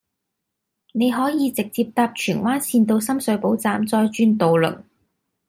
你可以直接搭荃灣綫到深水埗站再轉渡輪